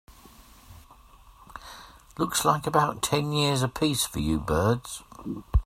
Looks like about ten years a piece for you birds.